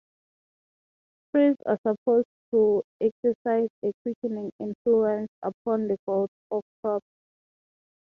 Trees are supposed to exercise a quickening influence upon the growth of crops.